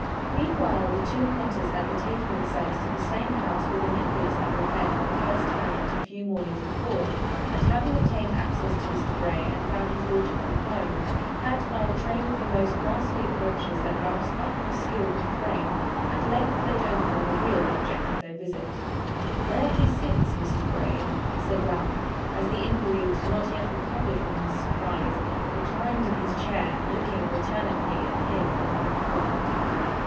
Meanwhile the two plotters had betaken themselves to the same house whither Nicholas had repaired for the first time but a few mornings before, and having obtained access to Mr. Bray, and found his daughter from home, had by a train of the most masterly approaches that Ralph's utmost skill could frame, at length laid open the real object of their visit. 'There he sits, Mr. Bray,' said Ralph, as the invalid, not yet recovered from his surprise, reclined in his chair, looking alternately at him and Arthur Gride.